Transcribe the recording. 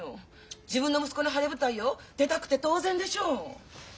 自分の息子の晴れ舞台よ出たくて当然でしょう。